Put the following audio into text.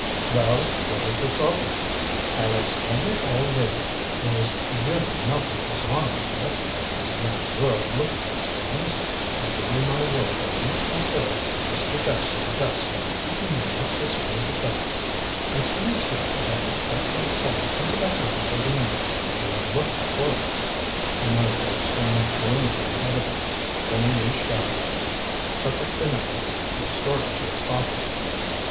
"Well, what is the trouble?" "I'll explain it all later. There's really nothing dishonorable as men of the world look at such things. I give you my word that you can serve Mr. Jephson best by keeping the necklace for the present and seeing to it that it does not fall into the hands of the men who are looking for it." Minot sat staring gloomily ahead of him. Then he reached out, took up the necklace, and restored it to his pocket.